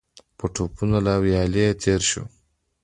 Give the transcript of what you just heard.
په ټوپونو له ويالې تېر شو.